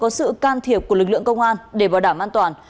các đối tượng sẽ có sự can thiệp của lực lượng công an để bảo đảm an toàn